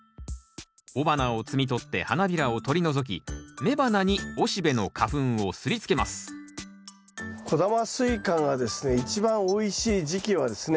雄花を摘み取って花びらを取り除き雌花に雄しべの花粉を擦りつけます小玉スイカがですね一番おいしい時期はですね